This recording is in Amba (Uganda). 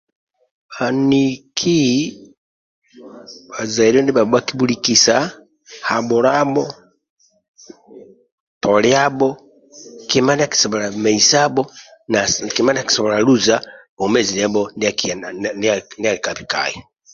Bhaniki bhazaile ndihabho bhakibhulikisa habhulabho toliabho kima ndia akisobola meisabho na kima ndia akisobola luza bwomezi ndia ali ka bikai